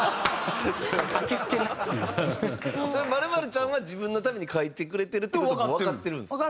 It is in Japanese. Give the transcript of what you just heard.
それは○○ちゃんは自分のために書いてくれてるって事もわかってるんですか？